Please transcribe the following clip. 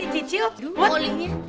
cicil boleh ya